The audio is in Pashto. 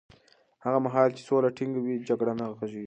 هغه مهال چې سوله ټینګه وي، جګړه نه غځېږي.